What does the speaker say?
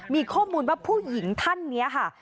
มีข้อมูลว่าผู้หญิงท่านนี้ค่ะ